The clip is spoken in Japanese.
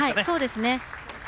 そうですね。